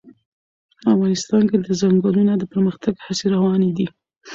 افغانستان کې د ځنګلونه د پرمختګ هڅې روانې دي.